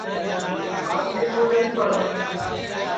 آج بھی کُوٹؔ لڑی پڑا